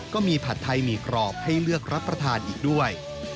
ผัดไทยหมี่กรอบให้เลือกรับประทานอีกด้วย